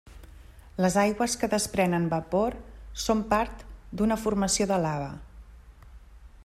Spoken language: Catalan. Les aigües que desprenen vapor són part d'una formació de lava.